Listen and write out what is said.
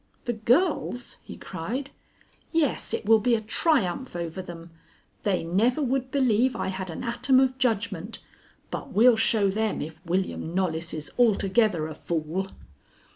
"The girls?" he cried. "Yes, it will be a triumph over them. They never would believe I had an atom of judgment. But we'll show them, if William Knollys is altogether a fool."